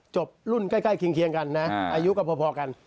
จบรุ่นใกล้เคียงกันนะอายุก็พอกัน